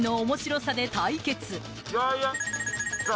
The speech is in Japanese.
さあ